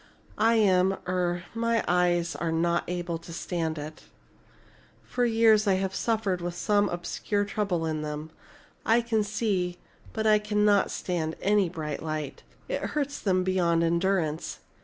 "I am er my eyes are not able to stand it. For years I have suffered with some obscure trouble in them. I can see, but I cannot stand any bright light. It hurts them beyond endurance.